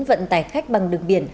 vận tải khách bằng đường biển